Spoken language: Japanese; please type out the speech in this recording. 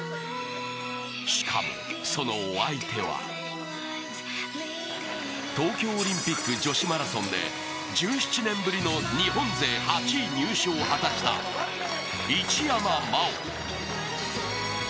しかもそのお相手は東京オリンピック女子マラソンで１７年ぶりの日本勢８位入賞を果たした一山麻緒。